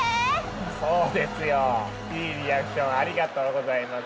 そうですよいいリアクションありがとうございます。